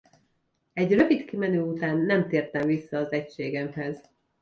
Egy rövid kimenő után nem tértem vissza az egységemhez.